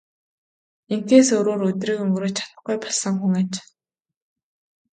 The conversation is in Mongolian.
Ингэхээс өөрөөр өдрийг өнгөрөөж чадахгүй болсон хүн аж.